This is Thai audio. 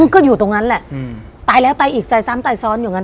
ก็อยู่ตรงนั้นแหละตายแล้วตายอีกตายซ้ำตายซ้อนอยู่กัน